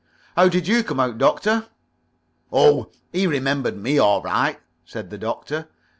How did you come out, Doctor?" "Oh, he remembered me, all right," said the Doctor.